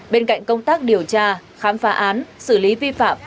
bên cạnh công tác điều tra khám phá án xử lý vi phạm